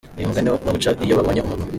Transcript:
Uyu mugani bawuca iyo babonye umuntu?